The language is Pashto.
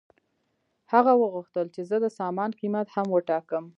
هغه وغوښتل چې زه د سامان قیمت هم وټاکم